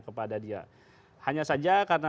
kepada dia hanya saja karena